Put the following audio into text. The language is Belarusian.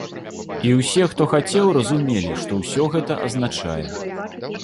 І ўсе, хто хацеў, разумелі, што ўсё гэта азначае.